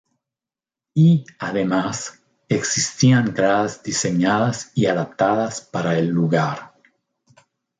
Y, además, existían gradas diseñadas y adaptadas para el lugar.